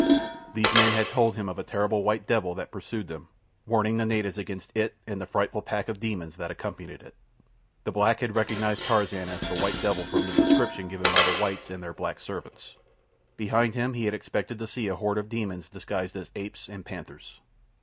These men had told them of a terrible white devil that pursued them, warning the natives against it and the frightful pack of demons that accompanied it. The black had recognized Tarzan as the white devil from the descriptions given by the whites and their black servants. Behind him he had expected to see a horde of demons disguised as apes and panthers.